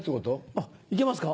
あっ行けますか？